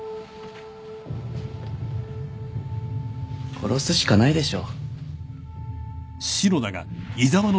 殺すしかないでしょ。